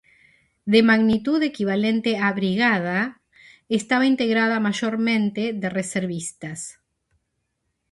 De magnitud equivalente a brigada, estaba integrada mayormente de reservistas.